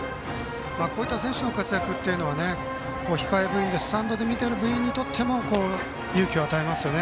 こういった選手の活躍は控え部員、スタンド見ている部員にとっても勇気を与えますね。